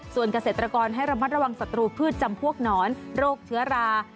ส่วนเกษตรกรให้ระมัดระวังศัตรูพืชจำพวกหนอนโรคเชื้อรา